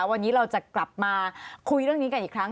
วันนี้เราจะกลับมาคุยเรื่องนี้กันอีกครั้ง